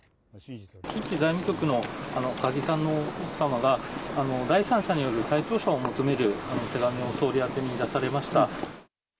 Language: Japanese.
近畿財務局の赤木さんの奥様が第三者による再調査を求める手紙を総理宛てに出されました。